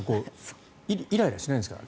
イライラしないんですか？